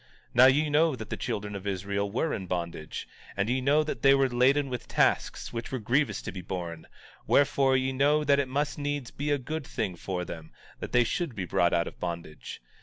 17:25 Now ye know that the children of Israel were in bondage; and ye know that they were laden with tasks, which were grievous to be borne; wherefore, ye know that it must needs be a good thing for them, that they should be brought out of bondage.